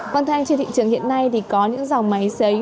vâng thưa anh trên thị trường hiện nay có những dòng máy xấy